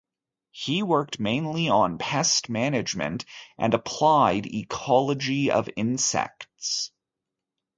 He worked mainly on pest management and applied ecology of insects.